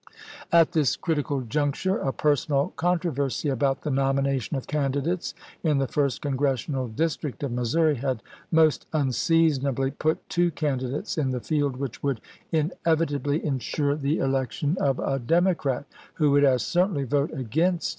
At this critical juncture a personal controversy about the nomination of can didates in the first congi'essional district of Mis souri had most unseasonably put two candidates in the field, which would inevitably insure the election MISSOUEI FKEE 483 of a Democrat, who would as certainly vote against chap.